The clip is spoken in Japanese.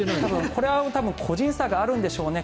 これは個人差があるんでしょうね。